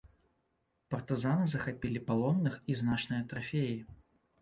Партызаны захапілі палонных і значныя трафеі.